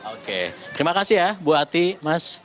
oke terima kasih ya bu ati mas